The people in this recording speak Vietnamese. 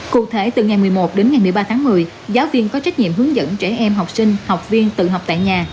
cụ thể từ ngày một mươi một đến ngày một mươi ba tháng một mươi giáo viên có trách nhiệm hướng dẫn trẻ em học sinh học viên tự học tại nhà